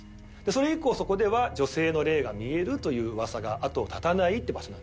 それ以降そこでは女性の霊が見えるという噂が後を絶たないって場所なんです。